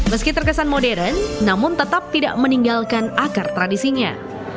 meski terkesan modern namun tetap tidak meninggalkan akar tradisinya